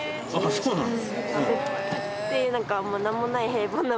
そうなの？